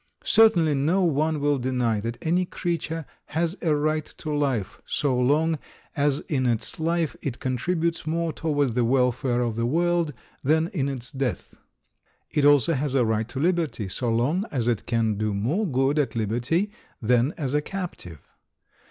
Certainly no one will deny that any creature has a right to life so long as in its life it contributes more toward the welfare of the world than in its death. It also has a right to liberty so long as it can do more good at liberty than as a captive.